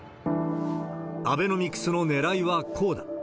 アベノミクスのねらいはこうだ。